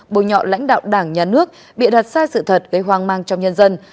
bồi nhọ lãnh đạo đảng nhà nước bị đặt sai sự thật gây hoang mang trong nhân dân